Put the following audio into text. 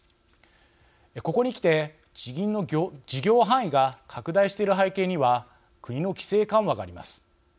ここにきて地銀の事業範囲が拡大している背景には国の規制緩和があります。